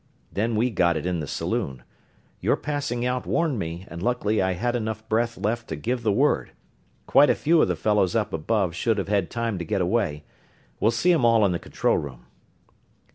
Then we got it in the saloon. Your passing out warned me, and luckily I had enough breath left to give the word. Quite a few of the fellows up above should have had time to get away we'll see 'em all in the control room."